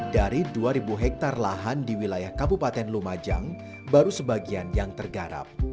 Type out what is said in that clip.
dari dua ribu hektare lahan di wilayah kabupaten lumajang baru sebagian yang tergarap